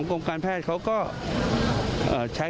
บริหารจัดการได้